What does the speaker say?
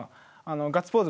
ガッツポーズ